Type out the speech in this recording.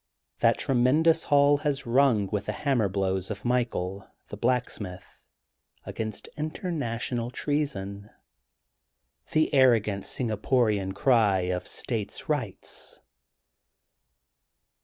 That tremendous hall has rung with the ham merblows of Michael, the Blacksmith, against international treason, the arrogant Singa porian cry of States Bights.